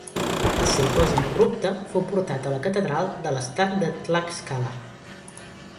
El seu cos incorrupte fou portat a la catedral de l'Estat de Tlaxcala.